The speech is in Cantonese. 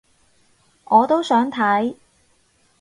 我都想睇